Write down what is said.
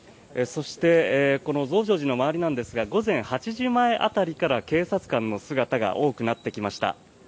そしてこの増上寺の周りなんですが午前８時前当たりから警察官の姿が多くなってきました。